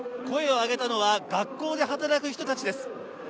声を上げたのは学校で働く人たちです